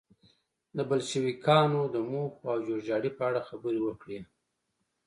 د بلشویکانو د موخو او جوړجاړي په اړه خبرې وکړي.